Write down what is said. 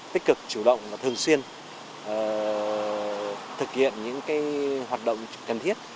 tích cực chủ động thường xuyên thực hiện những hoạt động cần thiết